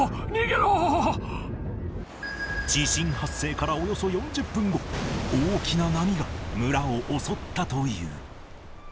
地震発生からおよそ４０分後大きな波が村を襲ったという